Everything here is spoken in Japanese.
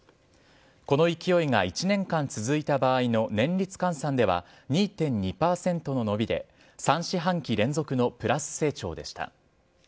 この勢いが１年間続いた場合の年率換算では、２．２％の伸びで、３四半期連続のプラス成長でした。